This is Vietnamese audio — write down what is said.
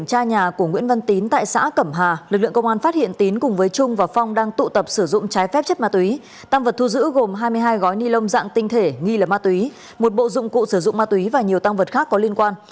tăng vật thu giữ gồm hai mươi hai gói ni lông dạng tinh thể nghi là ma túy một bộ dụng cụ sử dụng ma túy và nhiều tăng vật khác có liên quan